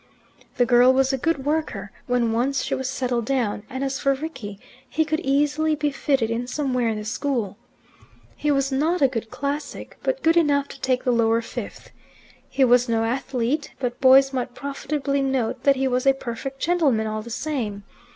The girl was a good worker when once she was settled down; and as for Rickie, he could easily be fitted in somewhere in the school. He was not a good classic, but good enough to take the Lower Fifth. He was no athlete, but boys might profitably note that he was a perfect gentleman all the same.